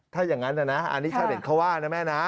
ถ้าอย่างนั้นนะอันนี้ชาวเน็ตเขาว่านะแม่นะ